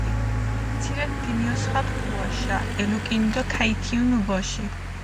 ცირაქჷ ქიმიოსხაპუ ქუაშა, ელუკჷნჷ დო გაითიჸუნუ ბოში.